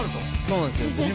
そうなんですよ。